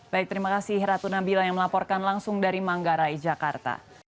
baik terima kasih ratu nabila yang melaporkan langsung dari manggarai jakarta